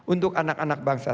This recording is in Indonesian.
untuk anak anak bangsa